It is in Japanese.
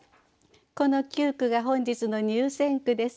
この九句が本日の入選句です。